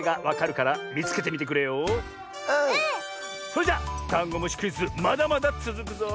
それじゃダンゴムシクイズまだまだつづくぞ！